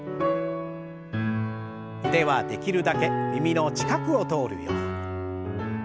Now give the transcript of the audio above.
腕はできるだけ耳の近くを通るように。